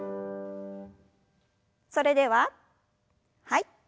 それでははい。